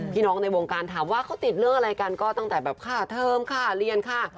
ในวงการถามว่าเขาติดเรื่องอะไรกันก็ตั้งแต่แบบค่าเทิมค่าเรียนค่ะ